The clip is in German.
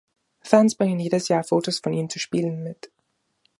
Fans bringen jedes Jahr Fotos von ihm zu Spielen mit.